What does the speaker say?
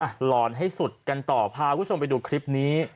หลอนให้สุดกันต่อพาคุณผู้ชมไปดูคลิปนี้